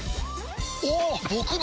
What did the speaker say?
おっ！